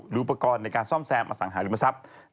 หรือประกอบในการซ่อมแซมอสังหาริมทรัพย์